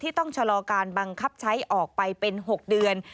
ต้องชะลอการบังคับใช้ออกไปเป็น๖เดือน